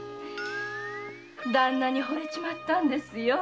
旦那に惚れちまったんですよ。